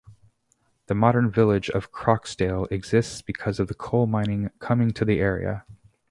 The modern village of Croxdale exists because of coal mining coming to the area.